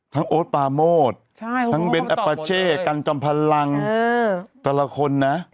ทั้งโอ๊ตปาโมดทั้งเบนต์อัปาเช่กันกรรมพลังแต่ละคนนะ